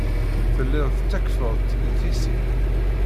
Tellid tettakfed-tt i tissit.